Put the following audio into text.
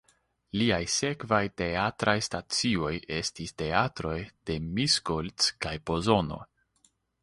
Liaj sekvaj teatraj stacioj estis teatroj de Miskolc kaj Pozono.